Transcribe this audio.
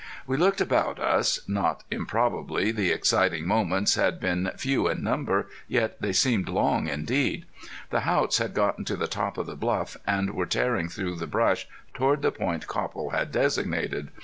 We looked about us. Not improbably the exciting moments had been few in number, yet they seemed long indeed. The Haughts had gotten to the top of the bluff, and were tearing through the brush toward the point Copple had designated.